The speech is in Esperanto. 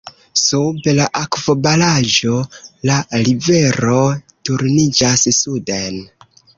Sub la akvobaraĵo, la rivero turniĝas suden.